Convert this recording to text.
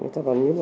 thật là nhiều